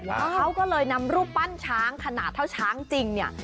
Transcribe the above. เขาก็เลยนำรูปปั้นช้างขนาดเท่าช้างจริงเนี่ย